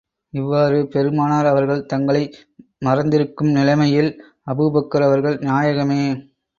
இவ்வாறு பெருமானார் அவர்கள் தங்களை மறந்திருக்கும் நிலைமையில், அபூபக்கர் அவர்கள், நாயகமே!